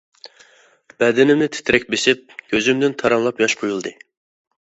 بەدىنىمنى تىترەك بېسىپ، كۆزۈمدىن تاراملاپ ياش قۇيۇلدى.